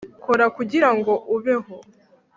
kora kugirango ubeho